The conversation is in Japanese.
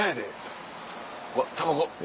うわたばこ！